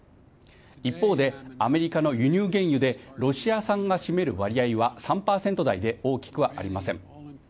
一方で、アメリカの輸入原油でロシア産が占める割合は３％台で大きくはありません。